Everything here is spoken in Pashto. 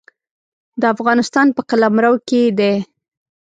د افغانستان په قلمرو کې دی.